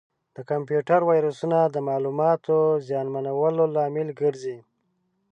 د کمپیوټر ویروسونه د معلوماتو زیانمنولو لامل ګرځي.